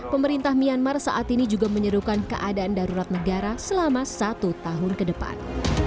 pemerintah myanmar saat ini juga menyerukan keadaan darurat negara selama satu tahun ke depan